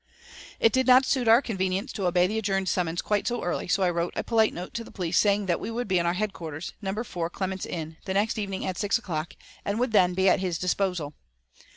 It did not suit our convenience to obey the adjourned summons quite so early, so I wrote a polite note to the police, saying that we would be in our headquarters, No. 4 Clements Inn, the next evening at six o'clock, and would then be at his disposal.